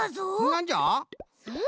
なんじゃ？